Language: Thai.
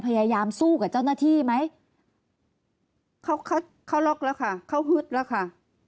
พยายามสู้กับเจ้าหน้าที่ไหมเขาเขาล็อกแล้วค่ะเขาฮึดแล้วค่ะ